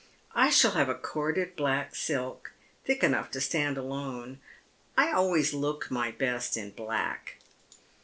I shall have a corded black silk, thick enough to stand alone. I always looked my best in black."